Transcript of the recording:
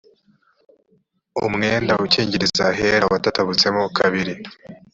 umwenda ukingiriza ahera watabutsemo kabiri